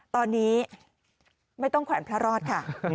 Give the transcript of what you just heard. ตอนนี้ไม่ต้องแขวนพระรอดค่ะ